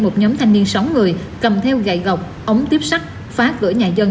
một nhóm thanh niên sáu người cầm theo gậy gọc ống tiếp sắt phá cửa nhà dân